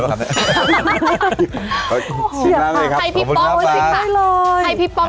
ให้พี่ป๋องเลยลูกนี้